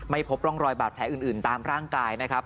พบร่องรอยบาดแผลอื่นตามร่างกายนะครับ